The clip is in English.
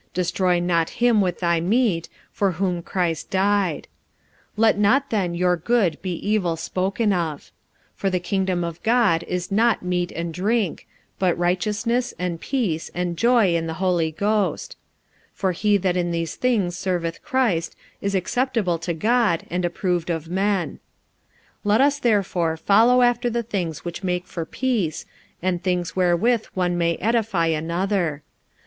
Destroy not him with thy meat, for whom Christ died. 45:014:016 Let not then your good be evil spoken of: 45:014:017 For the kingdom of God is not meat and drink; but righteousness, and peace, and joy in the Holy Ghost. 45:014:018 For he that in these things serveth Christ is acceptable to God, and approved of men. 45:014:019 Let us therefore follow after the things which make for peace, and things wherewith one may edify another.